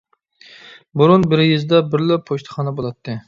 بۇرۇن بىر يېزىدا بىرلا پوچتىخانا بولاتتى.